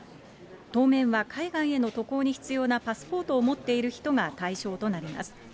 当面は、海外への渡航に必要なパスポートを持っている人が対象となります。